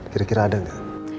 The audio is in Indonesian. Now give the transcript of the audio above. kira kira ada gak